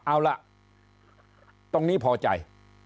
เอาล่ะตรงนี้พอใจ